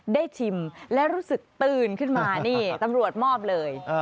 ชิมและรู้สึกตื่นขึ้นมานี่ตำรวจมอบเลย